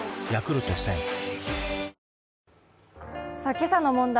今朝の問題